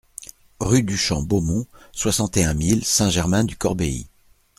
Rue du Champ Beaumont, soixante et un mille Saint-Germain-du-Corbéis